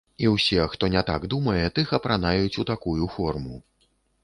І ўсе, хто не так думае, тых апранаюць у такую форму.